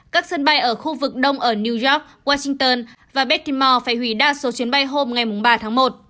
các sân bay ở khu vực đông ở new york washington và beck timor phải hủy đa số chuyến bay hôm ba tháng một